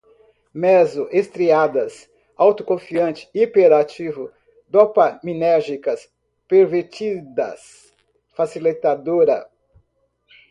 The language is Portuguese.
meso-estriadas, autoconfiante, hiperativo, dopaminérgicas, pervertidas, facilitadora